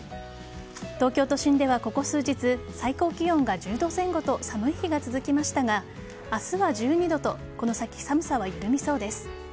東京都心ではここ数日最高気温が１０度前後と寒い日が続きましたが明日は１２度とこの先、寒さは緩みそうです。